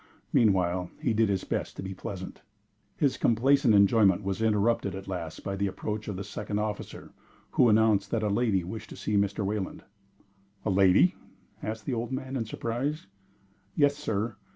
Meanwhile he did his best to be pleasant. His complaisant enjoyment was interrupted at last by the approach of the second officer, who announced that a lady wished to see Mr. Wayland. "A lady?" asked the old man, in surprise. "Yes, sir.